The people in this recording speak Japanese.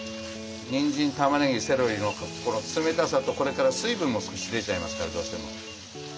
にんじんたまねぎセロリの冷たさとこれから水分も少し出ちゃいますからどうしても。